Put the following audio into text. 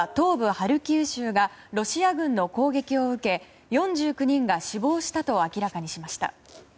ハルキウ州がロシア軍の攻撃を受けて４９人が死亡したと明らかにしました。